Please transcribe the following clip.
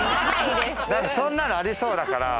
そんなのありそうだから。